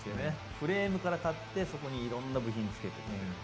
フレームから買って、そこにいろいろな部品をつけていく。